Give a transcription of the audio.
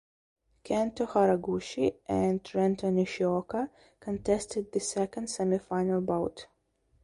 Kento Haraguchi and Renta Nishioka contested the second semifinal bout.